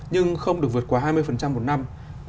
nhưng không được vượt qua hai mươi một năm